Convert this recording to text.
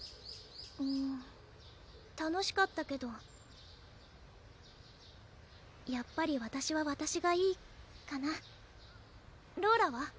うーん楽しかったけどやっぱりわたしはわたしがいいかなローラは？